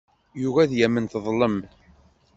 Yugi ad yamen teḍlem.